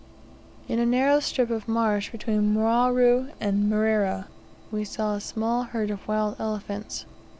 In a narrow strip of marsh between Mwaru and Mrera, we saw a small herd of wild elephants.